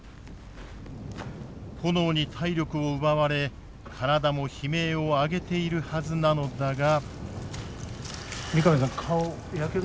炎に体力を奪われ体も悲鳴を上げているはずなのだが。